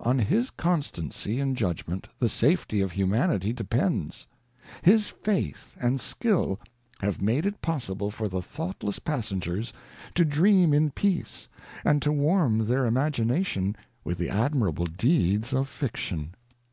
On his constancy and judgement the safety of humanity depends ; his faith and skill have made it possible for the thoughtless passengers to dream in peace and to warm their imagination with the admirable deeds of fiction.